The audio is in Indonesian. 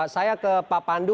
saya ke pak pandu